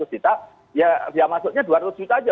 biaya masuknya dua ratus juta saja